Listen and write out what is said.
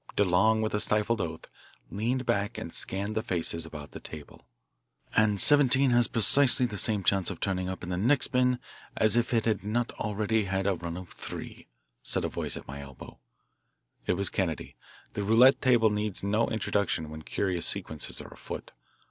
DeLong, with a stifled oath, leaned back and scanned the faces about the table. "And '17' has precisely the same chance of turning up in the next spin as if it had not already had a run of three," said a voice at my elbow. It was Kennedy. The roulette table needs no introduction when curious sequences are afoot.